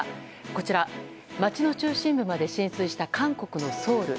こちら、街の中心部まで浸水した韓国のソウル。